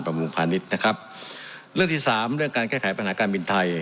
มุมพาณิชย์นะครับเรื่องที่สามเรื่องการแก้ไขปัญหาการบินไทย